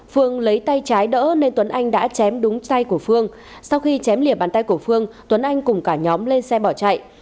phương lấy tay trái đỡ nên tuấn anh đã chém đúng tay của phương sau khi chém lìa bàn tay của phương tuấn anh cùng cả nhóm lên xe bỏ chạy